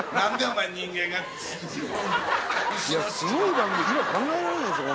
すごい番組今考えられないですよ